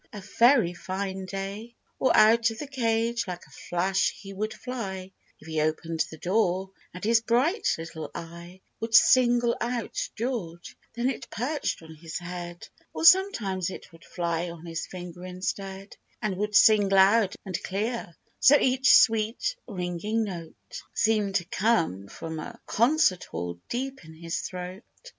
— A very fine day !" Or out of the cage like a flash he would fly, If he opened the door, and his bright little eye Would single out George; then it perched on his head, Or sometimes it would fly on his finger instead, And would sing loud and clear, so each sweet, ring ing note, Seemed to come from a concert hall deep in his throat